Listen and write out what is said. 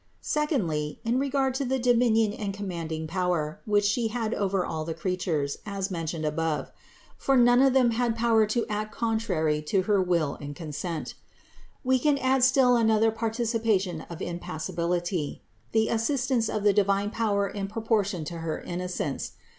Secondly, in re gard to the dominion and commanding power, which She had over all the creatures, as mentioned above, (No. 13, 18, 43, 56, 60) ; for none of them had power to act contrary to her will and consent. We can add still another participation of impassibility: the assistance of the divine power in proportion to her innocence.